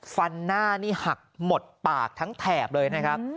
ฟันหน้านี่หักหมดปากทั้งแถบเลยนะครับ